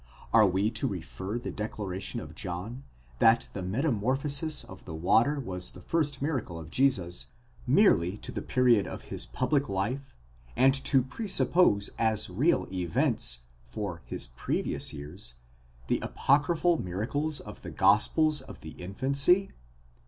Are we to refer the declaration of John, that the metamorphosis of the water was the first miracle: of Jesus, merely to the period of his public life, and to presuppose as real events, for his previous years, the apocryphal miracles of the Gospels of the Infancy?